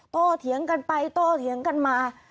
เถียงกันไปโตเถียงกันมา